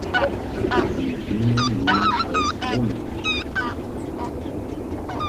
Sie dienen nun als Wohnungen.